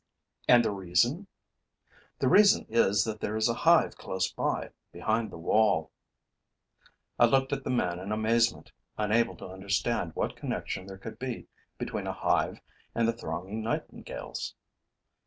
'And the reason?' 'The reason is that there is a hive close by, behind that wall.' I looked at the man in amazement, unable to understand what connection there could be between a hive and the thronging nightingales.